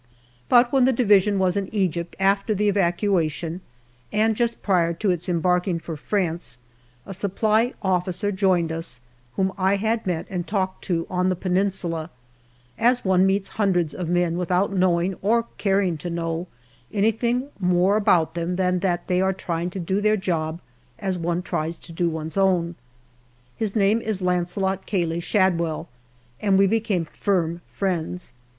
But when the Division was in Egypt, after the evacua tion, and just prior to its embarking for France, a Supply Officer joined us whom I had met and talked to on the Peninsula, as one meets hundreds of men, without knowing, or caring to know, anything more about them than that they are trying to do their job as one tries to do one's own. His name is Launcelot Cayley Shadwell, and we became firm friends.